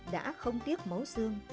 đã không tiếc máu xương